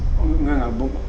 oh enggak enggak